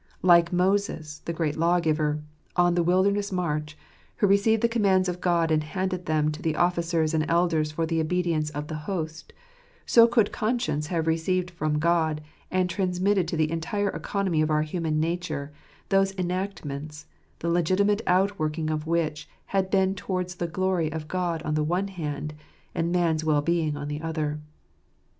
Like Moses, the great lawgiver, on the wilderness march, who received the commands of God and handed them to the officers and elders for the obedience of the host, so could conscience have received from God, and transmitted to the entire economy of our human nature, those enactments, the legiti mate outworking of which had been towards the glory of God on the one hand, and man's well being on the other.